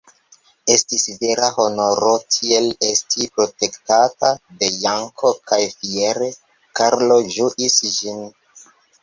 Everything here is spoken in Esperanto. Estis vera honoro tiel esti protektata de Janko, kaj fiere Karlo ĝuis ĝin.